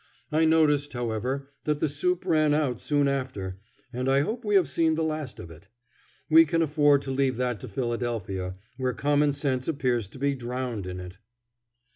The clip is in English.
I noticed, however, that the soup ran out soon after, and I hope we have seen the last of it. We can afford to leave that to Philadelphia, where common sense appears to be drowned in it.